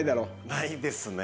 ないですね。